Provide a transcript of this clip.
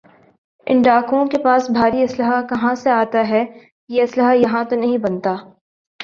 ان ڈاکوؤں کے پاس بھاری اسلحہ کہاں سے آتا ہے یہ اسلحہ یہاں تو نہیں بنتا